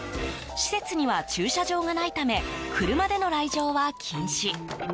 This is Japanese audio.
施設には駐車場がないため車での来場は禁止。